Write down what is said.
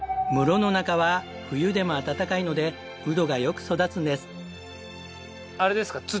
室の中は冬でも暖かいのでうどがよく育つんです。